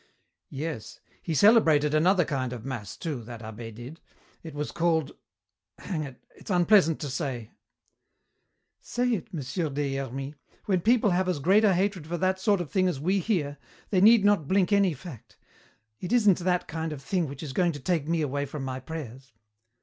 "Yes, he celebrated another kind of mass, too, that abbé did. It was called hang it it's unpleasant to say " "Say it, Monsieur des Hermies. When people have as great a hatred for that sort of thing as we here, they need not blink any fact. It isn't that kind of thing which is going to take me away from my prayers."